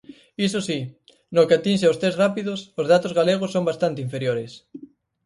Iso si, no que atinxe aos tests rápidos, os datos galegos son bastante inferiores.